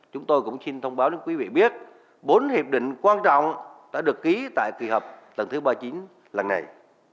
chúng tôi cũng xin thông báo đến quý vị biết bốn hiệp định quan trọng đã được ký tại kỳ họp lần thứ ba mươi chín lần này